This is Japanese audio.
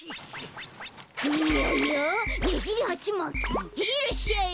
ヘイいらっしゃい！